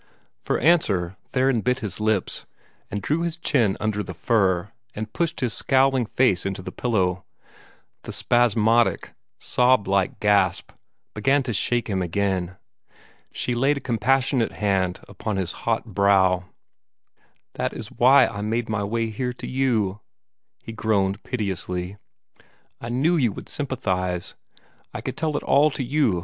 For answer Theron bit his lips, and drew his chin under the fur, and pushed his scowling face into the pillow. The spasmodic, sob like gasps began to shake him again. She laid a compassionate hand upon his hot brow. "That is why I made my way here to you," he groaned piteously. "I knew you would sympathize; I could tell it all to you.